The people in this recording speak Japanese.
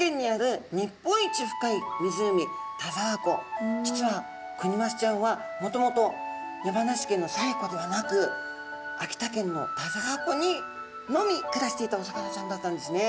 さあ実はクニマスちゃんはもともと山梨県の西湖ではなく秋田県の田沢湖にのみ暮らしていたお魚ちゃんだったんですね。